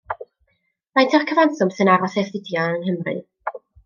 Faint yw'r cyfanswm sy'n aros i astudio yng Nghymru?